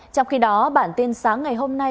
trong khi đó bản tin sáng ngày hôm nay